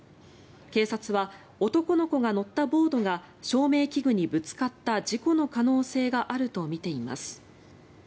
警察は、男の子が乗ったボードが照明器具にぶつかった事故の可能性があるとみています。